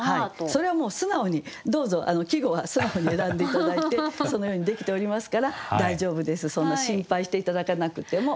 それはもう素直にどうぞ季語は素直に選んで頂いてそのようにできておりますから大丈夫ですそんな心配して頂かなくても。